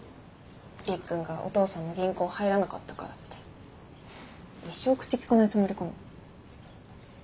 りっくんがお父さんの銀行入らなかったからって一生口利かないつもりかな。